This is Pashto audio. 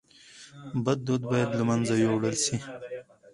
د بد دود باید له منځه یووړل سي.